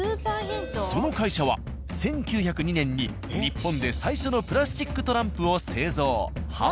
その会社は１９０２年に日本で最初のプラスチックトランプを製造・販売。